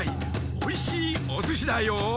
おいしいおすしだよ。